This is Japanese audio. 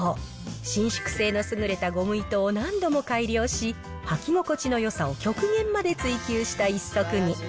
伸縮性の優れたゴム糸を何度も改良し、履き心地のよさを極限まで追求した一足に。